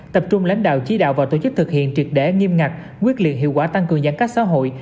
tập trung lãnh đạo chỉ đạo và tổ chức thực hiện triệt để nghiêm ngặt quyết liệt hiệu quả tăng cường giãn cách xã hội